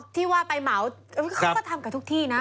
ที่ว่าไปเหมาเขาก็ทำกับทุกที่นะ